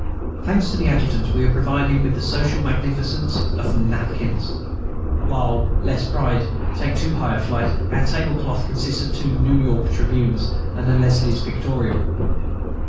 Thanks to the adjutant, we are provided with the social magnificence of napkins; while (lest pride take too high a flight) our table cloth consists of two "New York Tribunes" and a "Leslie's Pictorial."